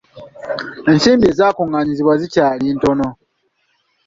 Ensimbi ezaakunganyiziddwa zikyali ntono.